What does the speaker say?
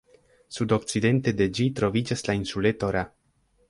Sudokcidente de ĝi troviĝas la insuleto Ra.